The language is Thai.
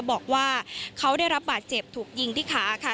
บอกว่าเขาได้รับบาดเจ็บถูกยิงที่ขาค่ะ